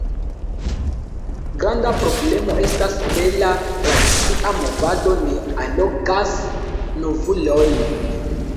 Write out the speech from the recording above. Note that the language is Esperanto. Granda problemo estas ke la tradicia movado ne allogas novulojn.